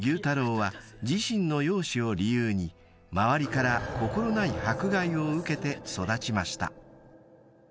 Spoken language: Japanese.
太郎は自身の容姿を理由に周りから心ない迫害を受けて育ちました］